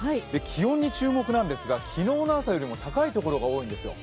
気温に注目なんですが昨日の朝よりも高い所が多いんですよ。